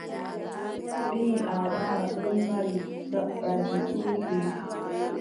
Ɓii Aadama ɗon mari dabbaaji ɗuuɗɗi.